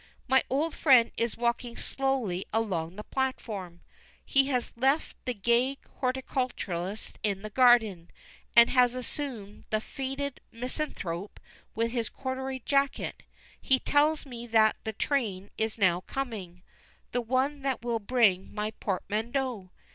My old friend is walking slowly along the platform. He has left the gay horticulturist in the garden, and has assumed the Faded Misanthrope with his corduroy jacket. He tells me that the train is now coming the one that will bring my portmanteau.